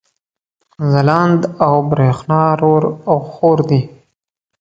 ځلاند او برېښنا رور او حور دي